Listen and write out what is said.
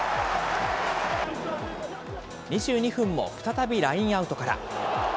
２２分も再びラインアウトから。